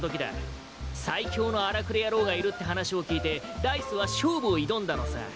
最強の荒くれ野郎がいるって話を聞いてダイスは勝負を挑んだのさ。